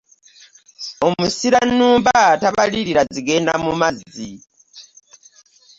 Omusira nnumba tabalirira zigenda mu mazzi.